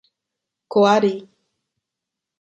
Coari